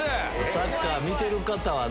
サッカー見てる方はね。